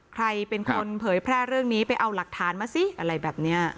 ใครเป็นคนเผยแพร่เรื่องนี้ไปเอาหลักฐานมาสิอะไรแบบนี้